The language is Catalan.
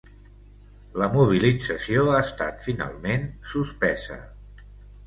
La mobilització ha estat finalment suspesa.